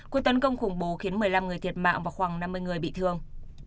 cuộc tấn công khủng bố khiến một mươi năm người thiệt mạng và khoảng năm mươi người bị thương